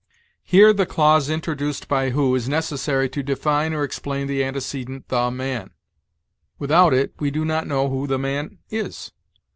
'" "Here the clause introduced by who is necessary to define or explain the antecedent the man; without it, we do not know who the man is.